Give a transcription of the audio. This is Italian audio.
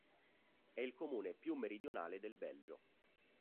È il comune più meridionale del Belgio.